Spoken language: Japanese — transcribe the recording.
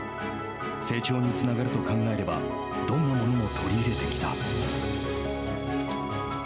成長につながると考えればどんなものも取り入れてきた。